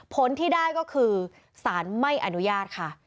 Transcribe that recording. ผลที่ได้ก็คือสารไม่อนุญาตค่ะ